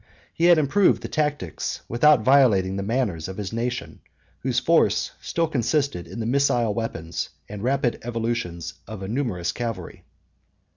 He had improved the tactics, without violating the manners, of his nation, 41 whose force still consisted in the missile weapons, and rapid evolutions, of a numerous cavalry.